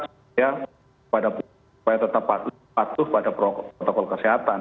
supaya tetap patuh pada protokol kesehatan